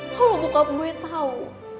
kalau bokap gue tau